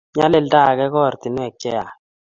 nyalilda age ko ortinwek cheyaach